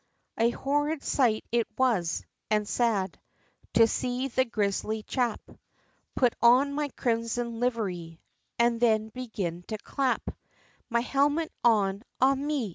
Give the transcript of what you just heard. XIV. A horrid sight it was, and sad, To see the grisly chap Put on my crimson livery, And then begin to clap My helmet on ah me!